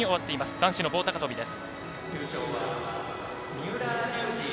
男子の棒高跳びです。